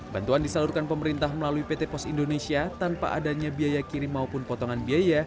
bantuan disalurkan pemerintah melalui pt pos indonesia tanpa adanya biaya kirim maupun potongan biaya